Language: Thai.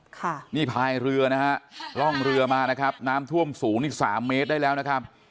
ค่ะนี่พายเรือนะฮะร่องเรือมานะครับน้ำท่วมสูงอีกสามเมตรได้แล้วนะครับ